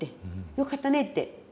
よかったねって。